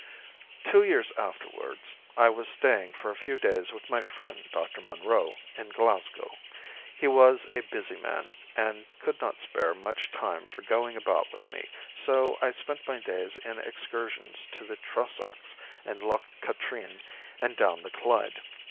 Two years afterwards, I was staying for a few days with my friend Dr. Munro in Glasgow. He was a busy man, and could not spare much time for going about with me, so I spent my days in excursions to the Trossachs and Loch Katrine and down the Clyde.